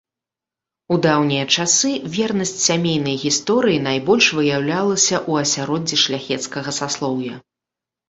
У даўнія часы вернасць сямейнай гісторыі найбольш выяўлялася ў асяроддзі шляхецкага саслоўя.